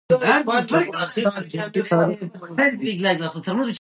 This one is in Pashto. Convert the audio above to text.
د افغانستان جنګي تاریخ اوږد دی.